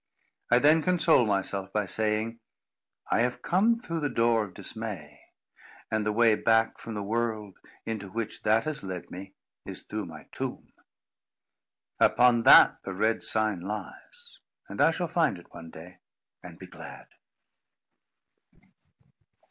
I then console myself by saying: "I have come through the door of Dismay; and the way back from the world into which that has led me, is through my tomb. Upon that the red sign lies, and I shall find it one day, and be glad."